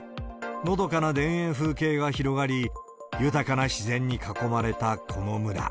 のどかな田園風景が広がり、豊かな自然に囲まれたこの村。